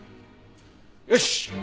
よし！